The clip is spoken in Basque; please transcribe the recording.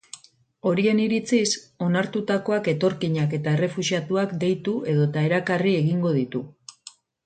Horien iritziz, onartutakoak etorkinak eta errefuxiatuak deitu edota erakarri egingo ditu.